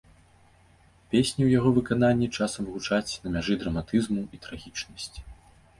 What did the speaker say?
Песні ў яго выкананні часам гучаць на мяжы драматызму і трагічнасці.